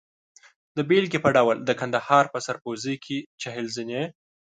د بېلګې په ډول د کندهار په سرپوزي کې چهل زینې.